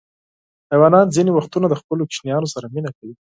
حیوانات ځینې وختونه د خپلو ماشومانو سره مینه کوي.